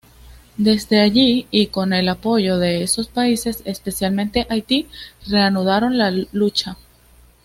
Desde allí, y con el apoyo de esos países, especialmente Haití, reanudaron la lucha.